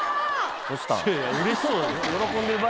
うれしそう。